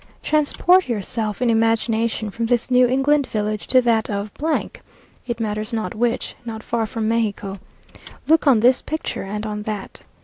Transport yourself in imagination from this New England village to that of , it matters not which, not far from Mexico. "Look on this picture, and on that."